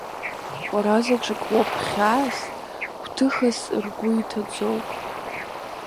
Уара заҵәык уоуп хьаас, гәҭыхас ргәы иҭаӡоу!